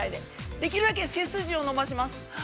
できるだけ背筋を伸ばします。